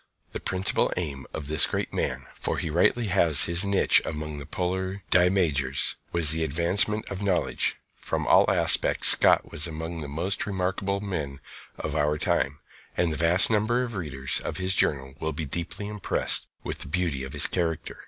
The principal aim of this great man, for he rightly has his niche among the polar Dii Majores, was the advancement of knowledge. From all aspects Scott was among the most remarkable men of our time, and the vast number of readers of his journal will be deeply impressed with the beauty of his character.